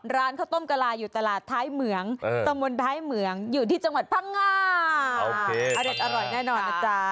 ร้านข้าวต้มกะลาอยู่ตลาดไทยเหมืองตมวนไทยเหมืองอยู่ที่จังหวัดภาคงา